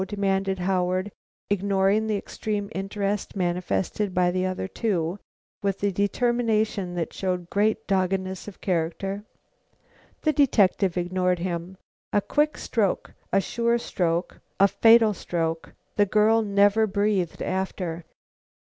demanded Howard, ignoring the extreme interest manifested by the other two, with a determination that showed great doggedness of character. The detective ignored him. "A quick stroke, a sure stroke, a fatal stroke. The girl never breathed after."